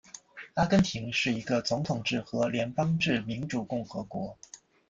阿根廷是一个总统制和联邦制民主共和国。